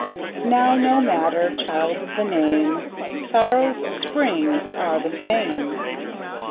Now no matter, child, the name:Sórrow's spríngs áre the same.